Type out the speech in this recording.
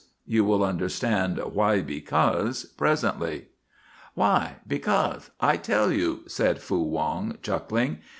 You will understand 'why because' presently." "Why? Becaus'? I tell you," said Fu Wong, chuckling.